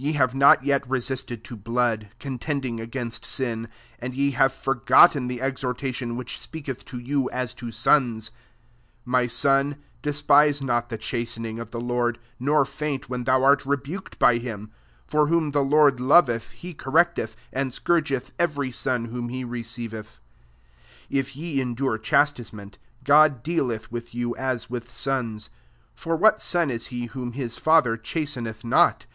4 Y« hare not yet resisted to blood, contending against sin: 5 and ye have forgotten the ■exhortation which vpeaketh to you as to sons, My son, des« piae not the chaatening of the Lord, nor faint when thou art rebuked by hioiJ 6 for whom the Lord loveth he correcteth, and scourgeth every son whom he receiveth.'' 7 If ye endure chastisement, God dcaleth with you as with sous : for what son is he whom Mm father chasten cth not?